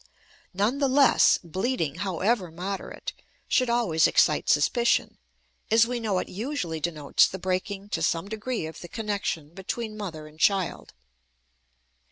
None the less, bleeding, however moderate, should always excite suspicion, as we know it usually denotes the breaking to some degree of the connection between mother and child.